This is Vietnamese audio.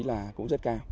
là cũng rất cao